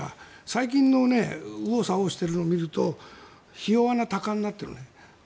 最近の右往左往しているのを見るとひ弱なタカになっている。